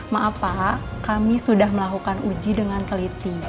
maaf pak kami sudah melakukan uji dengan teliti